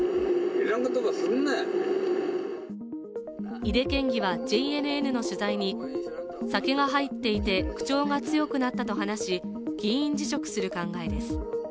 井手県議はＪＮＮの取材に酒が入っていて口調が強くなったと話し議員辞職する考えです。